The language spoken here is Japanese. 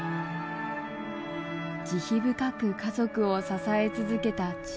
慈悲深く家族を支え続けた千代。